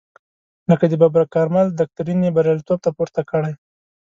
لکه د ببرک کارمل دکترین یې بریالیتوب ته پورته کړی.